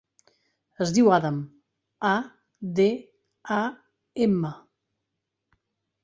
Es diu Adam: a, de, a, ema.